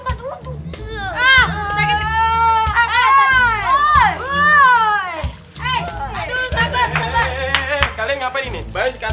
yaudah disini makan dia ya